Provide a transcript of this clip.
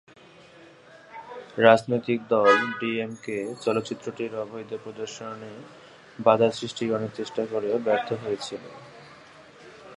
রাজনৈতিক দল ডিএমকে চলচ্চিত্রটির অবৈধ প্রদর্শনে বাঁধা সৃষ্টির অনেক চেষ্টা করেও ব্যর্থ হয়েছিলো।